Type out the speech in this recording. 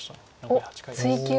おっ「追求」